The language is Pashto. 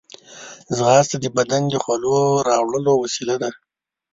ځغاسته د بدن د خولو راوړلو وسیله ده